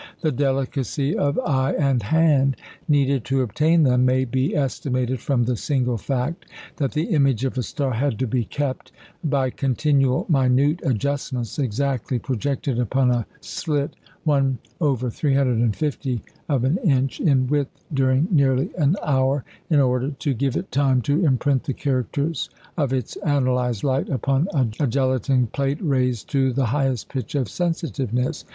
The delicacy of eye and hand needed to obtain them may be estimated from the single fact that the image of a star had to be kept, by continual minute adjustments, exactly projected upon a slit 1/350 of an inch in width during nearly an hour, in order to give it time to imprint the characters of its analyzed light upon a gelatine plate raised to the highest pitch of sensitiveness.